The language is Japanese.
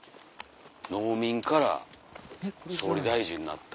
農民から総理大臣になった。